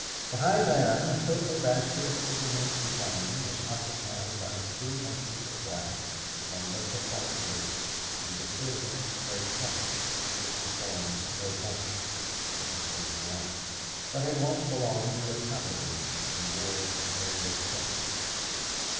Behind them a silver basket of openwork design was occupied by three bunches of black, one bunch of white grapes, and a silver grape cutter, which performed no function (it was so blunt), but had once belonged to a Totteridge and wore their crest.